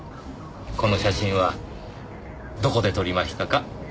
この写真はどこで撮りましたか？